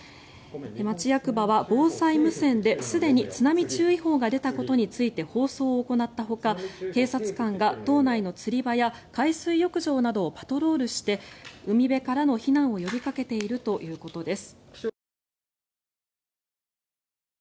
町役場は防災無線で、すでに津波注意報が出たことについて放送を行ったほか警察官が島内の釣り場や海水浴場などをパトロールして海辺からの避難を呼びかけているということです。